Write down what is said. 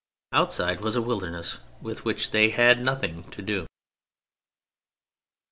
Outside was a wilderness with which they had nothing to do.